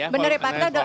benar ya pak